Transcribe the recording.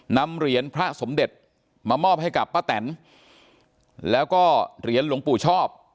นำเหรียญพระสมเด็จมามอบให้กับป้าแตนแล้วก็เหรียญหลวงปู่ชอบ